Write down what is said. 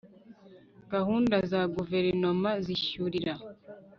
b gahunda za guverinoma zishyurira